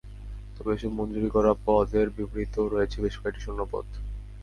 তবে এসব মঞ্জুরি করা পদের বিপরীতেও রয়েছে বেশ কয়েকটি শূন্য পদ।